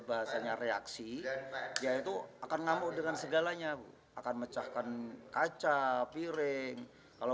bahasanya reaksi yaitu akan ngamuk dengan segalanya akan mecahkan kaca piring kalau